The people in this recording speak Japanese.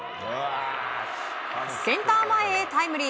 センター前へタイムリー！